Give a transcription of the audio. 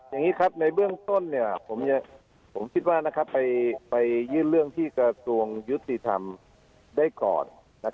อย่างนี้ครับในเบื้องต้นผมคิดว่าไปยื่นเรื่องที่กระทรวงยุติธรรมได้ก่อน